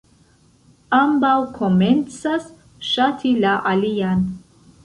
Ambaŭ komencas ŝati la alian.